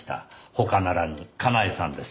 他ならぬかなえさんです。